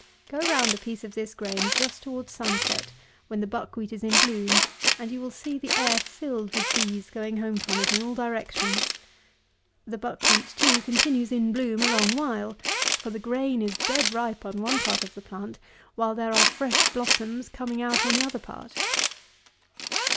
Go round a piece of this grain just towards sunset, when the buck wheat is in bloom, and you will see the air filled with bees going home from it in all directions. The buck wheat, too, continues in bloom a long while; for the grain is dead ripe on one part of the plant, while there are fresh blossoms coming out on the other part.